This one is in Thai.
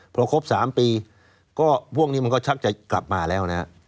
พอครบ๓ปีก็พวกนี้มันก็ชักจะกลับมาแล้วนะฮะ